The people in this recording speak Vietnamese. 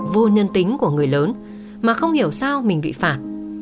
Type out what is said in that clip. vô nhân tính của người lớn mà không hiểu sao mình bị phản